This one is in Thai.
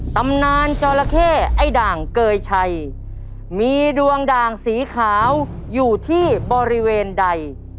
ตำนานจอละเข้ไอ้ด่างเกยชัยมีดวงด่างสีขาวอยู่ที่บริเวณใด